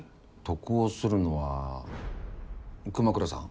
得をするのは熊倉さん。